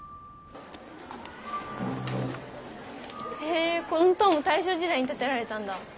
へえこの塔も大正時代に建てられたんだ。